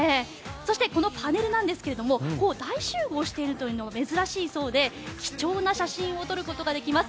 そしてこのパネルは大集合しているのが珍しいそうで貴重な写真を撮ることができます。